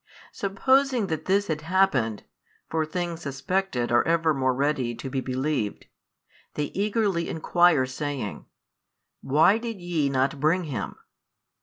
Supposing that this had happened (for things suspected are evermore ready to be believed) they eagerly enquire saying, Why did ye not bring Him?